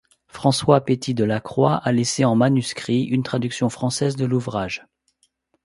François Pétis de La Croix a laissé en manuscrit une traduction française de l'ouvrage.